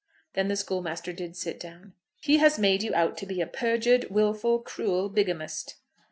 Then the schoolmaster did sit down. "He has made you out to be a perjured, wilful, cruel bigamist."